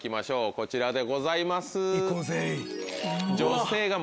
こちらでございます。